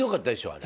あれ。